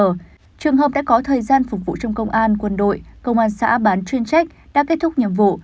trường hợp đã có thời gian phục vụ trong công an quân đội công an xã bán chuyên trách đã kết thúc nhiệm vụ